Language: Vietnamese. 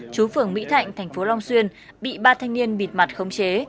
chú phường mỹ thạnh thành phố long xuyên bị ba thanh niên bịt mặt khống chế